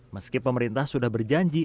meski pemerintah sudah berjanji